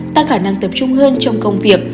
tăng khả năng tập trung hơn trong công việc